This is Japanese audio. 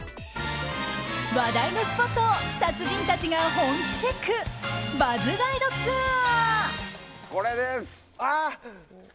話題のスポットを達人たちが本気チェックＢｕｚｚガイドツアー。